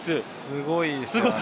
すごいですね。